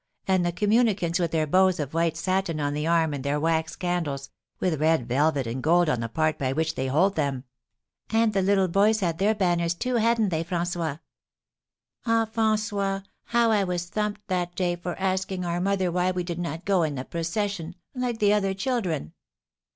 And the communicants with their bows of white satin on the arm, and their wax candles, with red velvet and gold on the part by which they hold them." "And the little boys had their banners, too, hadn't they, François? Ah, François, how I was thumped that day for asking our mother why we did not go in the procession, like the other children!"